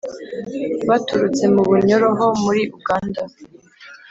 baturutse mu bunyoro ho muri Uganda;